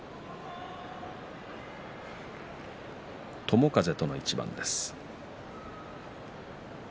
友風との一番です。